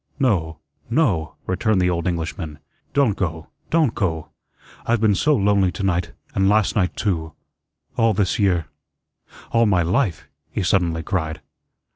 "No no," returned the old Englishman. "Don't go, don't go. I've been so lonely to night and last night too all this year all my life," he suddenly cried.